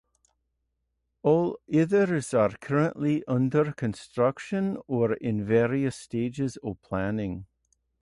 All others are currently under construction or in various stages of planning.